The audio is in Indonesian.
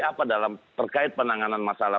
apa dalam terkait penanganan masalah